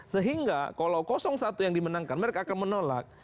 sehingga kalau satu yang dimenangkan mereka akan menolak